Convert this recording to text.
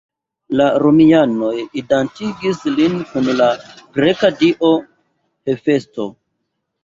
La romianoj identigis lin kun la greka dio Hefesto.